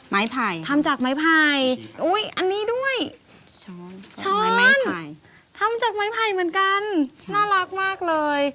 ไม้ไผ่อ้าวอันนี้ด้วยช้อนทำจากไม้ไผ่เหมือนกันน่ารักมากเลย